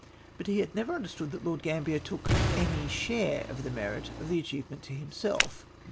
But he had never understood that Lord Grambier took any share of the merit of the achievement to himself.